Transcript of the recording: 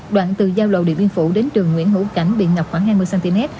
đoạn từ giao lộ điện biên phủ đến đường nguyễn hữu cảnh bị ngập khoảng hai mươi cm